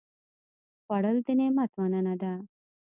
خوړل د نعمت مننه ده